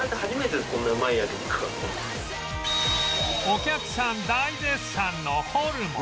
お客さん大絶賛のホルモン